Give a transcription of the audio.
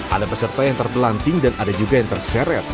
ada peserta yang terbelanting dan ada juga yang terseret